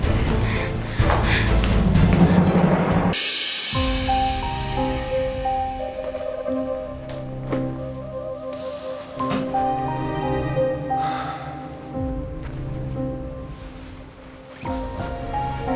ya saya ganti baju dulu bentar